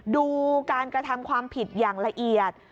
ดูการกระทำความผิดอย่างละเอียด